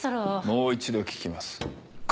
もう一度聞きます。